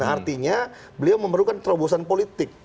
artinya beliau memerlukan terobosan politik